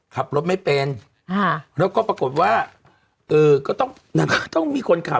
ขับรถไม่เป็นอ่าแล้วก็ปรากฏว่าเออก็ต้องนางก็ต้องมีคนขับ